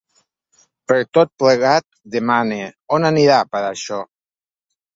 Per tot plegat, demana: On anirà a parar això?